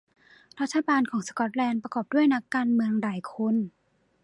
รัฐบาลของสกอตแลนด์ประกอบด้วยนักการเมืองหลายคน